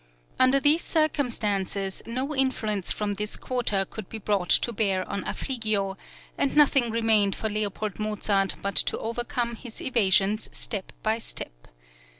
Under these circumstances, no influence from this quarter could be brought to bear on Affligio, and nothing remained for L. Mozart but to overcome his evasions step by step.